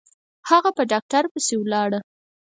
هغه په ډاکتر پسې ولاړه.